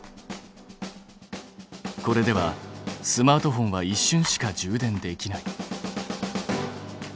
これではスマートフォンは一瞬しか充電できない。